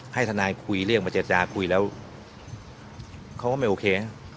ให้ทนายคุยเรื่องมาเจรจาคุยแล้วเขาก็ไม่โอเคนะ